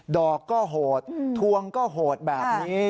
ดอกก็โหดทวงก็โหดแบบนี้